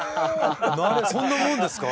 何でそんなもんですか？